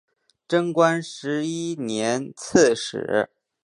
贞观十一年刺史。